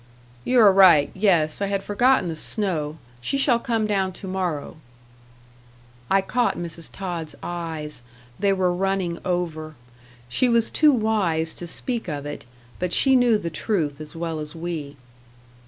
"You are right. Yes, I had forgotten the snow. She shall come down to morrow." I caught Mrs. Tod's eyes; they were running over. She was too wise to speak of it but she knew the truth as well as we.